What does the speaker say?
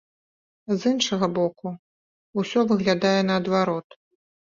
З іншага боку, усё выглядае наадварот.